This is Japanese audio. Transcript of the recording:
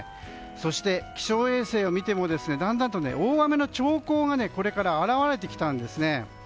そして、気象衛星を見てもだんだんと大雨の兆候がこれから表れてきたんですね。